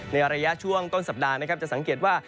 ในระยะช่วงต้นสัปดาห์นะครับจะสังเกตว่า